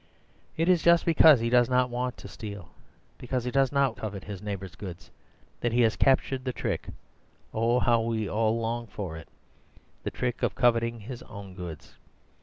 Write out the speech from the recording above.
It is just because he does not want to steal, because he does not covet his neighbour's goods, that he has captured the trick (oh, how we all long for it!), the trick of coveting his own goods.